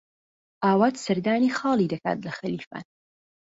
ئاوات سەردانی خاڵی دەکات لە خەلیفان.